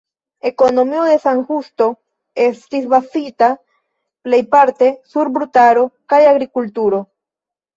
Ekonomio de San Justo estis bazita plejparte sur brutaro kaj agrikulturo.